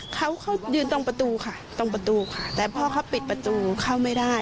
เขาเขายืนตรงประตูค่ะตรงประตูค่ะแต่พอเขาปิดประตูเข้าไม่ได้